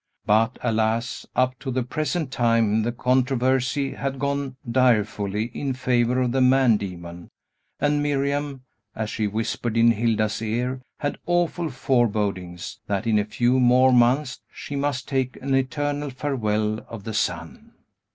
But, alas! up to the present time, the controversy had gone direfully in favor of the man demon; and Miriam (as she whispered in Hilda's ear) had awful forebodings, that, in a few more months, she must take an eternal farewell of the sun!